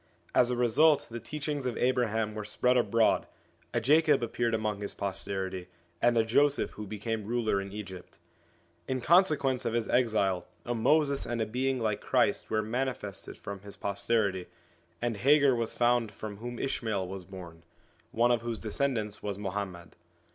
As a result the teachings of Abraham were spread abroad, a Jacob appeared among his posterity, and a Joseph who became ruler in Egypt. In consequence of his exile a Moses and a being like Christ were manifested from his pos terity, and Hagar was found from whom Ishmael was born, one of whose descendants was Muhammad.